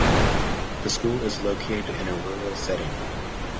The school is located in a rural setting.